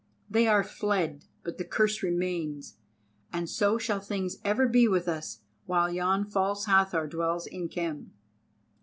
They are fled, but the curse remains, and so shall things ever be with us while yon False Hathor dwells in Khem."